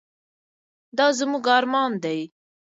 دا زموږ ارمان دی.